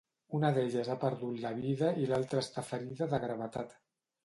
Una d'elles ha perdut la vida i l'altra està ferida de gravetat.